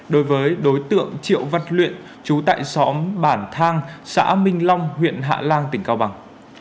đối với đối tượng triệu văn luyện trú tại xóm bản thang xã minh long huyện hạ lan tỉnh cao bằng